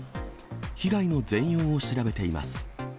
被害の全容を調べています。